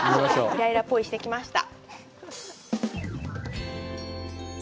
イライラ、ポイしてきました。